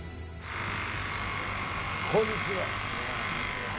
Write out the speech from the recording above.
こんにちは。